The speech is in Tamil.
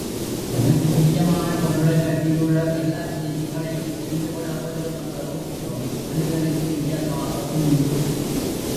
தனக்குப் பிரியமான பொருளைப் பற்றியுள்ள எல்லாச் செய்திகளையும் தெரிந்து கொள்ள வேண்டும் என்ற ஊக்கம் மனிதனுக்கு இயல்பாக உண்டு.